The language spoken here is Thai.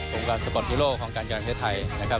โครงการสปอร์ตฮีโรคของการกีฬาแห่งประเทศไทยนะครับ